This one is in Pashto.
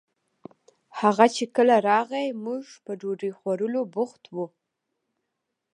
هغه چې کله راغئ موږ په ډوډۍ خوړولو بوخت وو